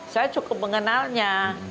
saya cukup mengenalnya